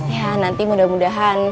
ya nanti mudah mudahan